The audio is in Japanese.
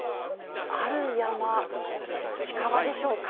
ある山、近場でしょうか？